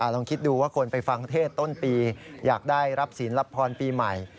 ลองคิดดูว่าคนไปฟังเทศต้นปีอยากได้รับศีลรับพรปีใหม่